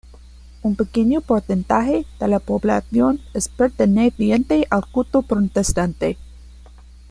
Un pequeño porcentaje de la población es perteneciente al culto protestante.